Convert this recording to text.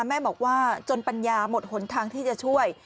แม่บอกว่าจนปัญญาหมดหนทางที่จะช่วย